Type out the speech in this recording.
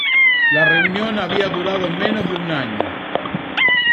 La reunión había durado menos de un año.